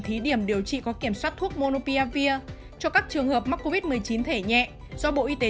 thí điểm điều trị có kiểm soát thuốc moliavir cho các trường hợp mắc covid một mươi chín thể nhẹ do bộ y tế